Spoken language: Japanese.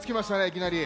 いきなり。